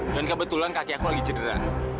dan kebetulan kaki aku lagi cedera